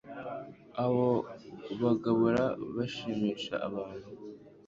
Abo bagabura bashimisha abantu